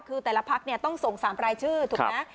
คือแต่ละพักต้องส่ง๓รายชื่อถูกไหม